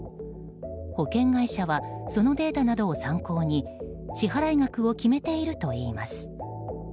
保険会社はそのデータなどを参考に支払額を決めているといいます。